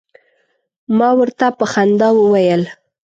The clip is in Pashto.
ما ورته په خندا وویل.